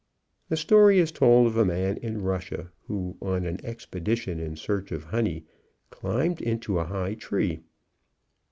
A story is told of a man in Russia, who on an expedition in search of honey, climbed into a high tree.